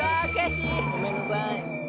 ごめんなさい。